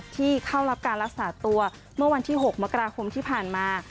ที่เข้ารับการรักษาตัวเมื่อวันที่๖มกราคมที่ผ่านมา